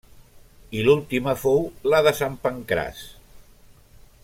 I l'última fou la de Sant Pancraç.